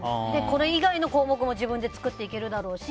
これ以外の項目も自分で作っていけるだろうし。